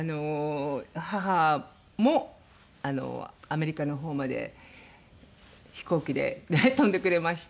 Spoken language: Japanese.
母もアメリカの方まで飛行機で飛んでくれまして。